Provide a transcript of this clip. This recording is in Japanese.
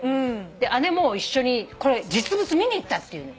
姉も一緒にこれ実物見に行ったっていうのよ。